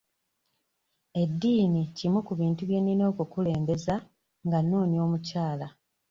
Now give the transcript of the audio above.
Eddiini kimu ku bintu bye nnina okukulembeza nga nnoonya omukyala.